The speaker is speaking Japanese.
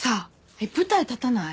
えっ舞台立たない？